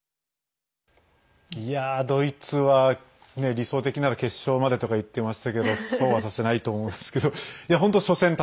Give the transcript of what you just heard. ドイツは理想的なら決勝までとか言ってましたけどそうはさせないと思うんですけど。